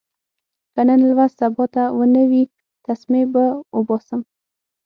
که نن لوست سبا ته ونه وي، تسمې به اوباسم.